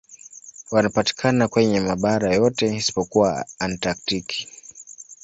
Wanapatikana kwenye mabara yote isipokuwa Antaktiki.